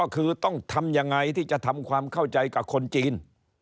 ก็คือต้องทำยังไงที่จะทำความเข้าใจกับคนจีน